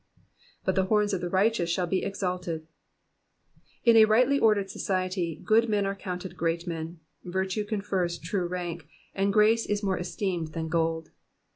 *^Bvt the horns of the righteous shall he exalted^ In a rightly ordered society, good men are counted great men, virtue confers true rank, and grace is more esteemed than gold.